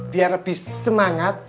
biar lebih semangat